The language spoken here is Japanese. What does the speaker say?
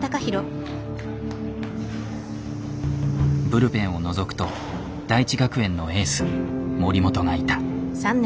ブルペンをのぞくと大智学園のエース森本がいた。